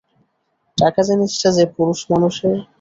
টাকা জিনিসটা যে পুরুষমানুষের।